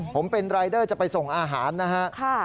ผมเป็นรายเดอร์จะไปส่งอาหารนะฮะ